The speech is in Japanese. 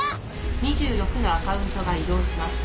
２６のアカウントが移動します。